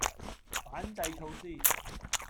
反制措施